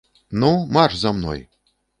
Ну, марш за мной!